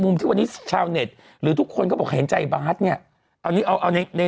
ในมุมที่วันนี้ชาวเน็ตหรือทุกคนก็บอกเห็นใจบาทเนี่ยเอาเอาในใน